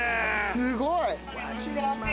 すごいわ！